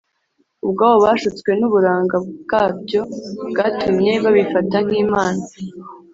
Ubwo bashutswe n’uburanga bwabyo bwatumye babifata nk’imana,